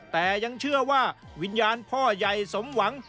แต่ยังเชื่อว่าวิญญาณพ่อใหญ่สมหวัง